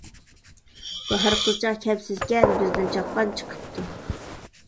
باھار قىزچاق كەپسىزكەن، بىزدىن چاققان چىقىپتۇ.